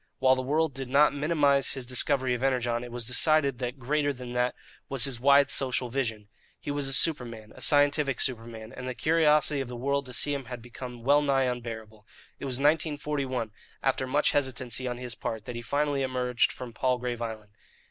While the world did not minimize his discovery of Energon, it was decided that greater than that was his wide social vision. He was a superman, a scientific superman; and the curiosity of the world to see him had become wellnigh unbearable. It was in 1941, after much hesitancy on his part, that he finally emerged from Palgrave Island.